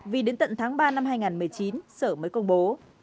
vì đến tận tháng ba năm hai nghìn một mươi chín sở mới công bố